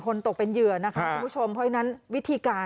เราก็ดินันความรู้สึกใจค่ะ